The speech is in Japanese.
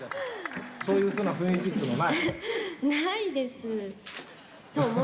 そういうふうな雰囲気っていないです。